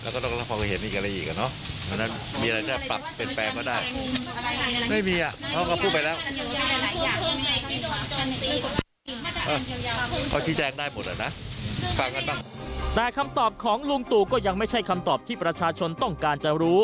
แต่คำตอบของลุงตู่ก็ยังไม่ใช่คำตอบที่ประชาชนต้องการจะรู้